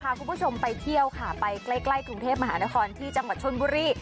คุณผู้ชมไปเที่ยวค่ะไปใกล้กรุงเทพมหานครที่จังหวัดชนบุรี